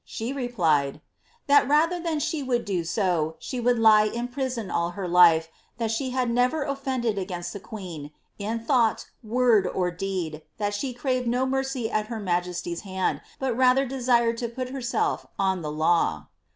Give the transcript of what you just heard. She replied, " that rather than she would do so, she would lie in prison all her life, that she had never of fended against the queen, in thought, word, or deed, that she craved no * Cam Jen, •Warton. »Fox. *Ibid 84 BLIIABBTH. mercy at her majesty't hand, bot rather desired to pat herself ou di^ law."